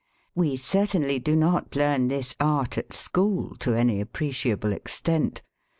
We certainly do not learn this art at school to any appreciable extent.